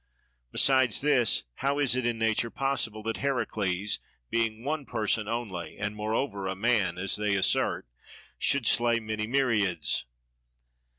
Besides this, how is it in nature possible that Heracles, being one person only and moreover a man (as they assert), should slay many myriads?